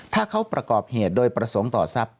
ถ้าเขาประกอบเหตุโดยประสงค์ต่อทรัพย